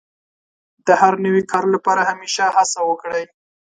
د هر نوي کار لپاره همېشه هڅه وکړئ.